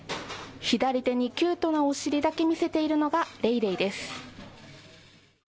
左手にキュートなお尻だけ見せているのがレイレイです。